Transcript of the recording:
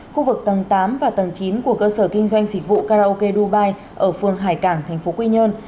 khu vực tầng tám và tầng chín của cơ sở kinh doanh dịch vụ karaoke dubai ở phường hải cảng tp quy nhơn